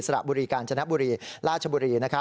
สระบุฬีกาญชันทบุฬีราชบุฬี